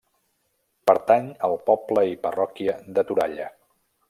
Pertany al poble i parròquia de Toralla.